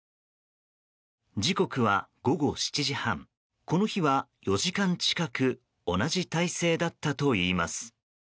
時刻は午後７時半この日は４時間近く同じ体勢だったといいます。